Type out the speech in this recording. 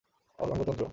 অঙ্গ তন্ত্র